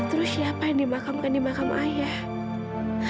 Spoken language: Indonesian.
terus siapa yang dimakamkan di makam ayah